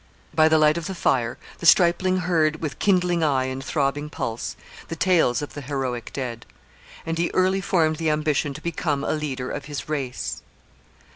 By the light of the camp fire the stripling heard, with kindling eye and throbbing pulse, the tales of the heroic dead; and he early formed the ambition to become a leader of his race.